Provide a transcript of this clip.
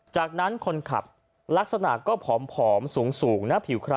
จากนั้นคนขับลักษณะก็ผอมสูงหน้าผิวคล้า